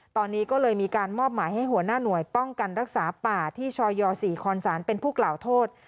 ตอนนี้ก็เลยมีการมอบหมายให้หัวหน้าหน่วยป้องกันรักษาป่าที่ชย๔คอนศาลเป็นผู้กล่าวโทษ